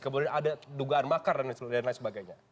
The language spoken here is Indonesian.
kemudian ada dugaan makar dan lain sebagainya